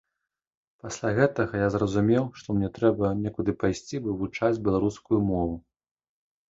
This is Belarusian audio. Пасля гэтага я зразумеў, што мне трэба некуды пайсці вывучаць беларускую мову.